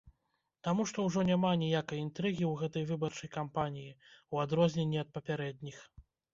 Таму што ўжо няма ніякай інтрыгі ў гэтай выбарчай кампаніі, у адрозненні ад папярэдніх.